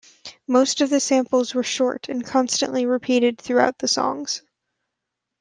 Most of the samples were short and constantly repeated throughout the songs.